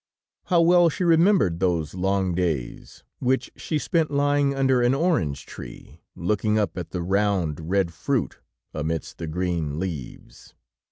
How well she remembered those long days which she spent lying under an orange tree, looking up at the round, red fruit, amidst the green leaves.